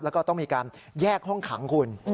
แล้วก็ต้องมีการแยกห้องขังคุณ